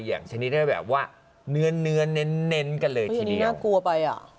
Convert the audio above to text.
อย่างชนิดแบบว่าเนื้อเน้นกันเลยทีเดียวอันนี้น่ากลัวไปอ่ะ